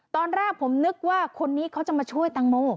ตอนแรกผมนึกว่าคนนี้เขาจะมาช่วยตังโม